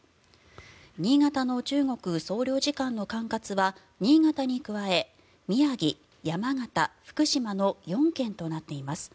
新潟の中国総領事館の管轄は新潟に加え、宮城、山形、福島の４県となっています。